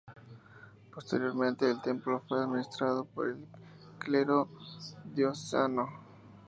Posteriormente el templo fue administrado por el clero diocesano.